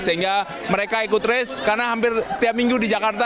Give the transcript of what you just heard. sehingga mereka ikut race karena hampir setiap minggu di jakarta